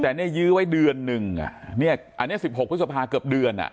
แต่เนี่ยยื้อไว้เดือนหนึ่งอ่ะเนี่ยอันนี้๑๖พฤษภาเกือบเดือนอ่ะ